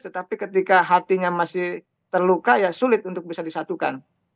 tetapi ketika hatinya masih terluka ya sulit untuk bisa disatukan